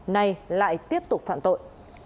nay lại tiếp tục phạm tội